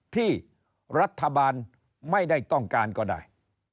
ที่รัฐบาลไม่ได้ต้องการก็ได้